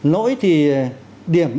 lỗi thì điểm